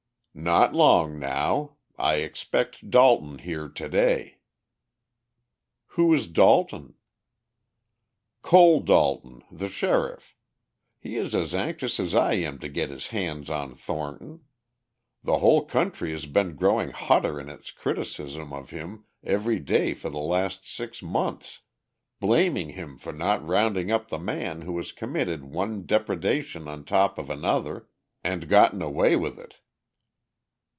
"Not long now. I expect Dalton here today." "Who is Dalton?" "Cole Dalton, the sheriff. He is as anxious as I am to get his hands on Thornton. The whole country has been growing hotter in its criticisms of him every day for the last six months, blaming him for not rounding up the man who has committed one depredation on top of another, and gotten away with it."